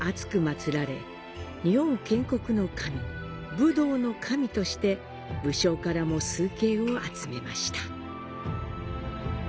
武道の神として武将からも崇敬を集めました。